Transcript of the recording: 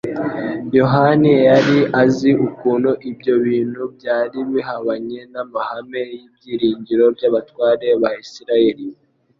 Yohana yari azi ukuntu ibyo bintu byari bihabanye n'amahame y'ibyiringiro by'abatware b'Isiraeli.